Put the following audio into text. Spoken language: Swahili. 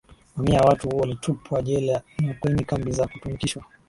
Mamia ya watu walitupwa jela na kwenye kambi za kutumikishwa